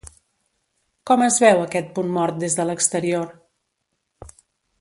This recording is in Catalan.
’Com es veu aquest punt mort des de l’exterior?